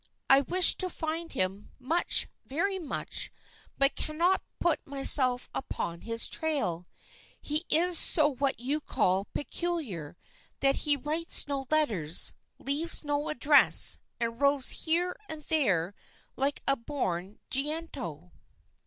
I wish to find him, much, very much, but cannot put myself upon his trail. He is so what you call peculiar that he writes no letters, leaves no address, and roves here and there like a born gitano."